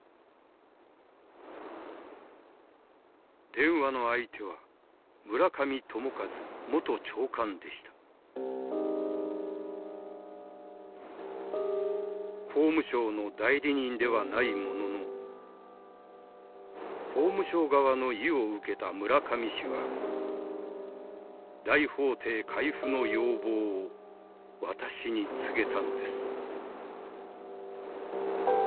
電話の相手は村上朝一元長官でした法務省の代理人ではないものの法務省側の意を受けた村上氏は大法廷回付の要望を私に告げたのです